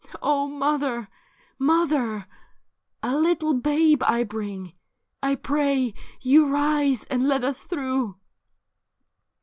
' O mother, mother ! a little babe I bring ; I pray you rise and let us through.'